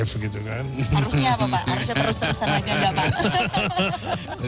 harusnya terus terusan lagi enggak pak